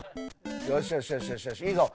よしよしよしよしいいぞ！